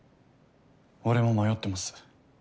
俺も迷ってます。